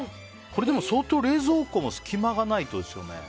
相当冷蔵庫も隙間がないとね。